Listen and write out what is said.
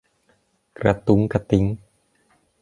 กระตุ้งกระติ้ง